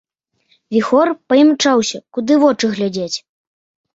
Віхор паімчаўся, куды вочы глядзяць.